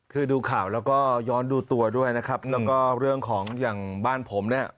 คือดูข่าวแล้วก็ย้อนดูตัวด้วยนะครับแล้วก็เรื่องของอย่างบ้านผมเนี่ย